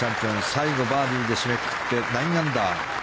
最後、バーディーで締めくくって９アンダー。